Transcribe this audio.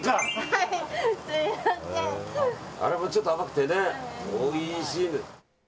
あれもちょっと甘くておいしい。